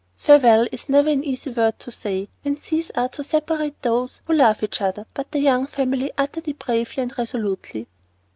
"Farewell" is never an easy word to say when seas are to separate those who love each other, but the Young family uttered it bravely and resolutely.